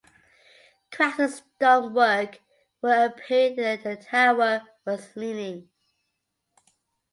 Cracks in the stonework were appearing and the tower was leaning.